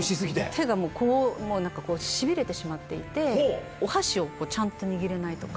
手がもうこうしびれてしまっていてお箸をちゃんと握れないとか。